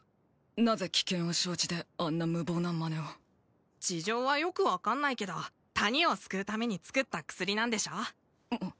なぜ危険を承知であんな無謀なマネを事情はよく分かんないけど谷を救うために作った薬なんでしょ？